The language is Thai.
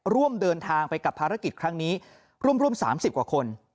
ร่วมเดินทางไปกับภารกิจครั้งนี้ร่วม๓๐กว่าคน